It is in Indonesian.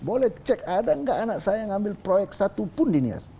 boleh cek ada tidak anak saya yang ambil proyek satu pun di nias